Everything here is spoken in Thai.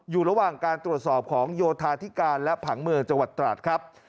อยู่ระหว่างการตรวจสอบของโยธาธิการและผังเมืองจังหวัดตราดครับ